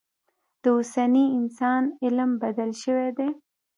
د اوسني انسان علم بدل شوی دی.